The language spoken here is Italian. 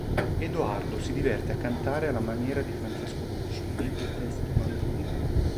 Edoardo si diverte a cantare alla maniera di Francesco Guccini il testo manzoniano.